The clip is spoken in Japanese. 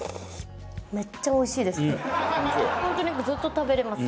本当にずっと食べれます。